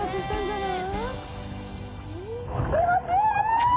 気持ちい！